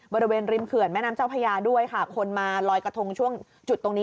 บริเวณริมเขื่อนแม่น้ำเจ้าพญาด้วยค่ะคนมาลอยกระทงช่วงจุดตรงนี้